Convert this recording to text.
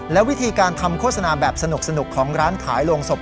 และวิธีการทำโฆษณาแบบสนุกของร้านขายโรงศพ